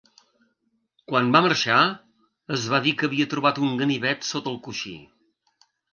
Quan va marxar, es va dir que havia trobat un ganivet sota el coixí.